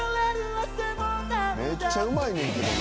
めっちゃうまいねんけどな。